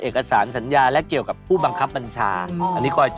เอามาลางด้วยมั๊ย